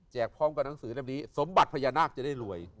แจกพร้อมกับหนังสือสมบัติพญานาคจะได้รวย